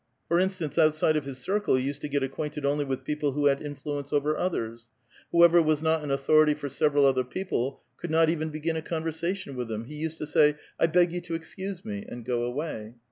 ¥or instance, outside of his circle, he used to get acquainted only with people who had influence over others. Whoever ^was not an authority for several other people could not even >>egin a conversation with him ; he used to say, " I beg 3 ou "tx> excuse me," and go away.